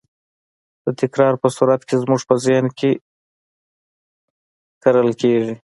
د تکرار په صورت کې زموږ په ذهن کې کرل کېږي.